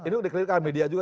ini dikelirikan media juga